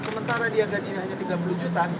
sementara dia gajinya hanya tiga puluh juta